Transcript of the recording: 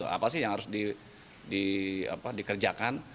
apa sih yang harus dikerjakan